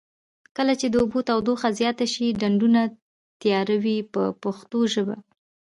کله چې د اوبو تودوخه زیاته شي ډنډونه تیاروي په پښتو ژبه.